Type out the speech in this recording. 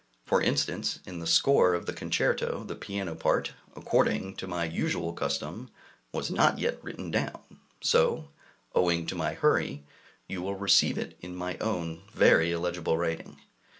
For instance, in the score of the concerto, the piano part, according to my usual custom, was not yet written down; so, owing to my hurry, you will receive it in my own very illegible writing.